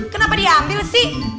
kenapa diambil sih